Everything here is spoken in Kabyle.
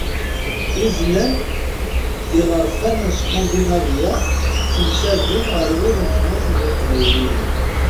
Izlan iɣerfanen n Skandinavya ttemcabin ɣer wid n tmurt n yiqbayliyen.